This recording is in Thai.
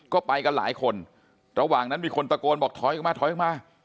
ก็ไปกันหลายคนระหว่างนั้นมีคนตะโกนบอกถอยออกมาถอยออกมา